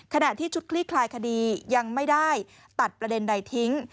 ขณะที่ชุดคลี่คลายคดียังไม่ได้ตัดประเด็นใดทิ้ง